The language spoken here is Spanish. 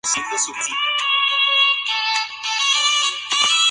Con estas ideas en mente se fundó el Gymnasium.